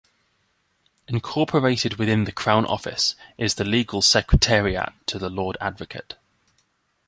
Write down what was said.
Incorporated within the Crown Office is the Legal Secretariat to the Lord Advocate.